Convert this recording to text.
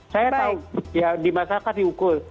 saya tahu di masyarakat diukur